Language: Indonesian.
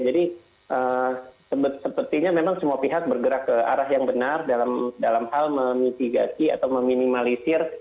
jadi sepertinya memang semua pihak bergerak ke arah yang benar dalam hal memitigasi atau meminimalisir